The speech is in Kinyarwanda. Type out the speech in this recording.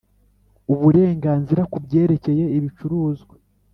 uburenganzira ku byerekeye ibicuruzwa